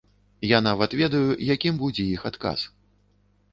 Я нават ведаю, якім будзе іх адказ.